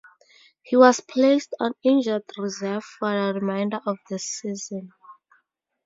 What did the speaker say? He was placed on injured reserve for the remainder of the season.